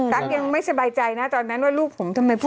ตั๊กยังไม่สบายใจนะตอนนั้นว่าลูกผมทำไมพ่อ